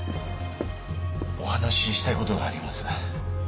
お話ししたいことがあります。